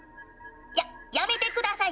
やっやめてください！